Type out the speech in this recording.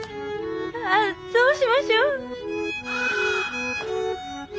ああどうしましょう。